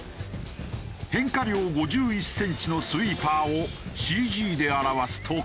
変化量５１センチのスイーパーをＣＧで表すとこうなる。